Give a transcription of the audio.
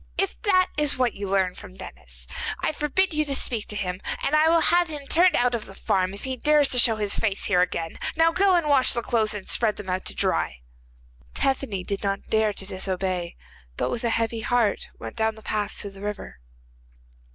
If this is what you learn from Denis, I forbid you to speak to him, and I will have him turned out of the farm if he dares to show his face here again. Now go and wash the clothes and spread them out to dry.' Tephany did not dare to disobey, but with a heavy heart went down the path to the river.